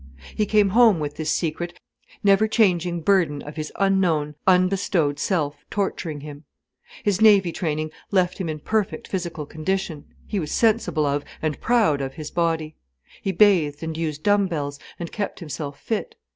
He came home with this secret, never changing burden of his unknown, unbestowed self torturing him. His navy training left him in perfect physical condition. He was sensible of, and proud of his body. He bathed and used dumb bells, and kept himself fit.